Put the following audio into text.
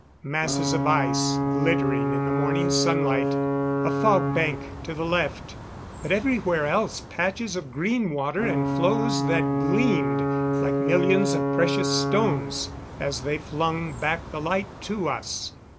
Masses of ice, glittering in the morning sunlight. A fog bank to the left; but everywhere else patches of green water and floes that gleamed like millions of precious stones as they flung back the light to us.